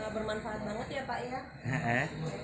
bermanfaat banget ya pak ya